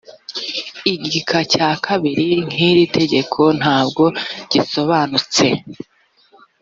igika cya kabiri nkiri tegeko ntago gisobanutse